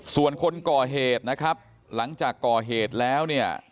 ส่วนคนก่อเหตุนะครับหลังจากก่อเหตุแล้วเนี่ย